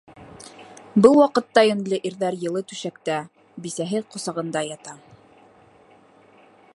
Был ваҡытта йүнле ирҙәр йылы түшәктә... бисәһе ҡосағында ята!